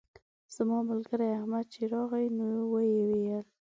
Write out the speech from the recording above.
زما ملګری احمد چې راغی نو ویې ویل.